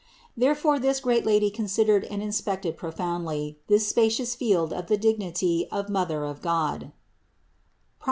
Therefore this great Lady considered and in spected profoundly this spacious field of the dignity of Mother of God (Prov.